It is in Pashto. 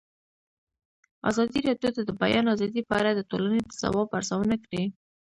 ازادي راډیو د د بیان آزادي په اړه د ټولنې د ځواب ارزونه کړې.